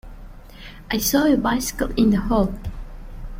I saw a bicycle in the hall.